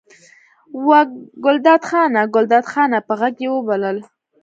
وه ګلداد خانه! ګلداد خانه! په غږ یې وبلل.